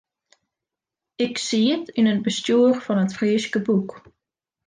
Ik siet yn it bestjoer fan It Fryske Boek.